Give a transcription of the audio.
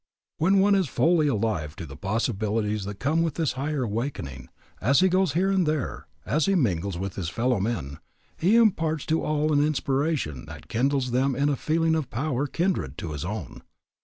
When one is fully alive to the possibilities that come with this higher awakening, as he goes here and there, as he mingles with his fellow men, he imparts to all an inspiration that kindles in them a feeling of power kindred to his own.